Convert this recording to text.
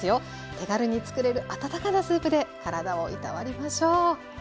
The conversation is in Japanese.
手軽につくれる温かなスープで体をいたわりましょう。